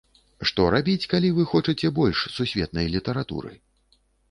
Што рабіць, калі вы хочаце больш сусветнай літаратуры?